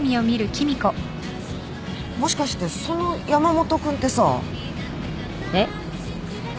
もしかしてその山本君ってさ。えっ？